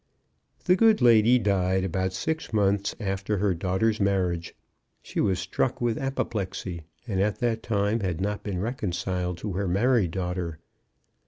The good lady died about six months after her daughter's marriage. She was struck with apoplexy, and at that time had not been reconciled to her married daughter.